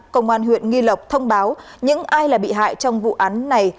công an huyện nghi lộc thông báo những ai là bị hại trong vụ án này